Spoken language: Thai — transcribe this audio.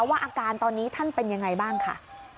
อาการตอนนี้ท่านเป็นยังไงบ้างค่ะ